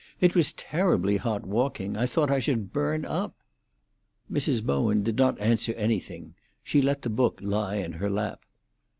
"It was terribly hot walking. I thought I should burn up." Mrs. Bowen did not answer anything; she let the book lie in her lap.